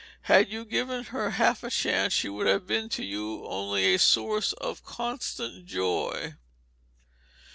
Had you given her half a chance she would have been to you only a source of constant joy."